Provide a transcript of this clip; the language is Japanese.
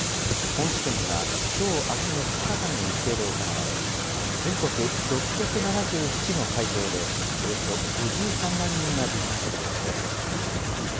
本試験がきょう、あすの２日間の日程で行われ、全国６７７の会場で、およそ５３万人が受験する予定です。